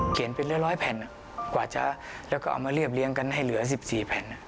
เป็นร้อยแผ่นกว่าจะแล้วก็เอามาเรียบเลี้ยงกันให้เหลือ๑๔แผ่น